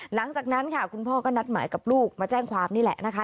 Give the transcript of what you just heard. หลังจากนั้นค่ะคุณพ่อก็นัดหมายกับลูกมาแจ้งความนี่แหละนะคะ